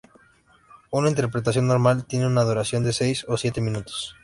Una interpretación normal tiene una duración de seis o siete minutos.